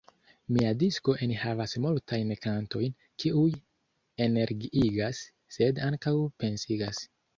Mia disko enhavas multajn kantojn, kiuj energiigas, sed ankaŭ pensigas.